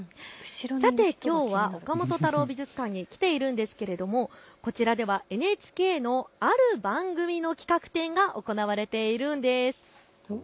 さてきょうは岡本太郎美術館に来ているんですけれどもこちらではＮＨＫのある番組の企画展が行われているんです。